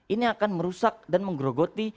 ini akan merusak dan menggerogoti